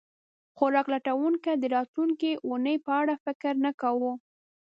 خوراک لټونکي د راتلونکې اوونۍ په اړه فکر نه کاوه.